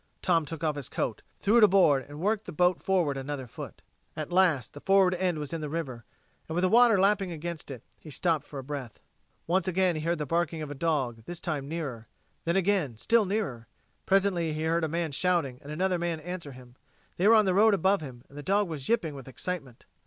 Tom took off his coat, threw it aboard, and worked the boat forward another foot. At last the forward end was in the river, with the water lapping against it. He stopped for breath. Once again he heard the barking of a dog, this time nearer. Then again, still nearer. Presently he heard a man shouting, and another man answer him. They were on the road above him, and the dog was yipping with excitement.